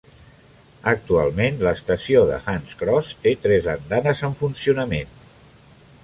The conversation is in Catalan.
Actualment, l'estació de Hunts Cross té tres andanes en funcionament.